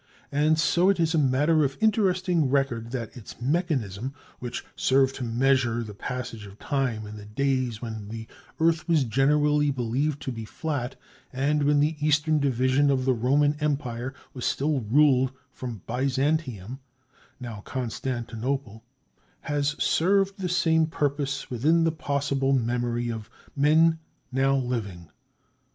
And so it is a matter of interesting record that its mechanism, which served to measure the passage of time in the days when the earth was generally believed to be flat and when the Eastern Division of the Roman Empire was still ruled from Byzantium, now Constantinople, has served the same purpose within the possible memory of men now living.